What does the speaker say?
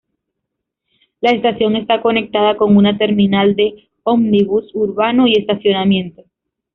La estación está conectada con una Terminal de Ómnibus Urbano y estacionamiento.